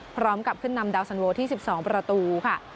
พร้อมกับขึ้นนำดาวสันโวที่๑๒ประตูค่ะ